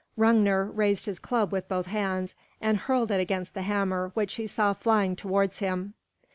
Hrungnir raised his club with both hands and hurled it against the hammer which he saw flying towards him.